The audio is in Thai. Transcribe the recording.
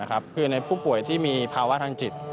คือในผู้ป่วยที่มีภาวะทางจิต